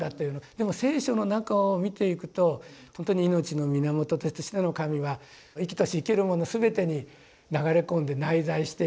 でも聖書の中を見ていくとほんとに命の源としての神は生きとし生けるもの全てに流れ込んで内在していると。